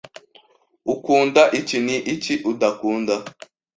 Ukunda iki? Ni iki udakunda?